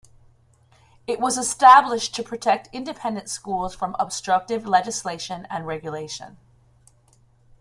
It was established "to protect independent schools from obstructive legislation and regulation".